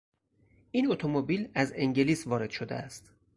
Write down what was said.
این اتومبیل از انگلیس وارد شده است.